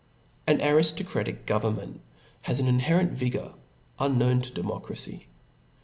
An ariftocraticaf government h^ an inherent vigour, unknown to democracy.